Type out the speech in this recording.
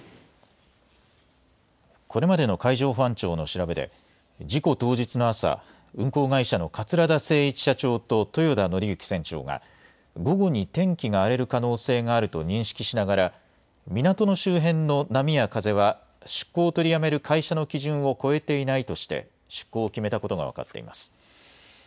これまでの海上保安庁の調べで事故当日の朝、運航会社の桂田精一社長と豊田徳幸船長が午後に天気が荒れる可能性があると認識しながら港の周辺の波や風は出航を取りやめる会社の基準を超えていないとして出航を決めたことが分かっています。